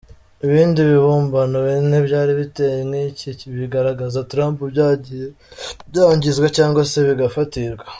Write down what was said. Ibindi bibumbano bine byari biteye nk’iki bigaragaza Trump byagiye byangizwa cyangwa se bigafatirwa.